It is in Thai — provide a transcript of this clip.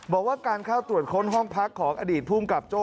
บอกว่าการเข้าตรวจค้นห้องพักของอดีตภูมิกับโจ้